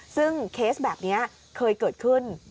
ซึ่งเคสแบบนี้เคยเกิดขึ้น